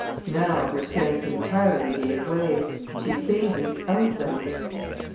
Now her strength entirely gave way, and she fainted outright.